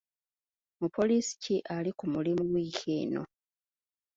Mupoliisi ki ali ku mulimu wiiki eno?